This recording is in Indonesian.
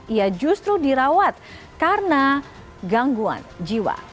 ia justru dirawat karena gangguan jiwa